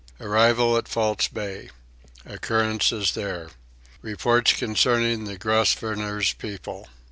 Arrival at False Bay. Occurrences there. Reports concerning the Grosvenor's People.